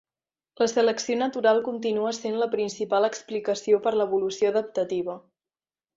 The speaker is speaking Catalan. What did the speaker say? La selecció natural continua sent la principal explicació per l'evolució adaptativa.